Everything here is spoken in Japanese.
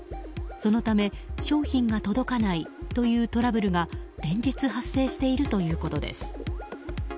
そのため商品が届かないというトラブルが連日、発生しているということです。